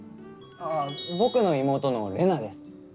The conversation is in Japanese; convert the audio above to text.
あぁ僕の妹の玲奈です